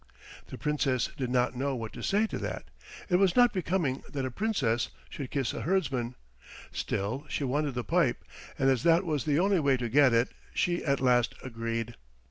The Princess did not know what to say to that. It was not becoming that a Princess should kiss a herdsman; still she wanted the pipe and as that was the only way to get it she at last agreed.